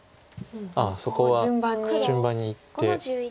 あっそこは順番にいって。